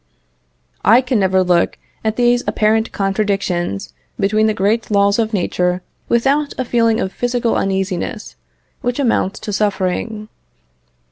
I can never look at these apparent contradictions between the great laws of nature without a feeling of physical uneasiness which amounts to suffering.